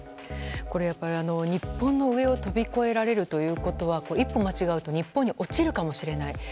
これは日本の上を飛び越えられるということは一歩間違うと日本に落ちるかもしれない。